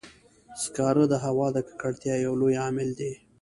سکاره د هوا د ککړتیا یو لوی عامل دی.